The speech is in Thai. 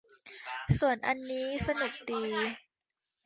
ส่วนอันนี้สนุกดี